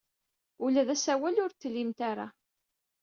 Ula d asawal ur t-tlimt ara.